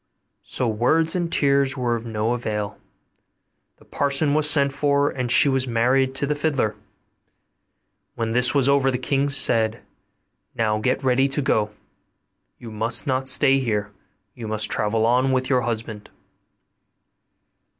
So words and tears were of no avail; the parson was sent for, and she was married to the fiddler. When this was over the king said, 'Now get ready to go you must not stay here you must travel on with your husband.